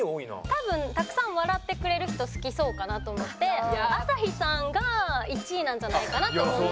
多分たくさん笑ってくれる人好きそうかなと思って朝日さんが１位なんじゃないかなと思うんです。